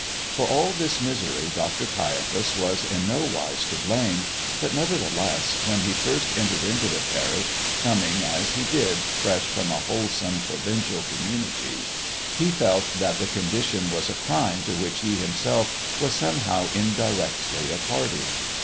For all this misery Dr. Caiaphas was in nowise to blame, but, nevertheless, when he first entered into the parish, coming, as he did, fresh from a wholesome provincial community, he felt that the condition was a crime to which he himself was somehow indirectly a party.